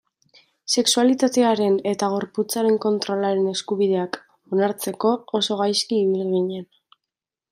Sexualitatearen eta gorputzaren kontrolaren eskubideak onartzeko oso gaizki ibili ginen.